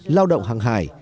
lao động hàng hải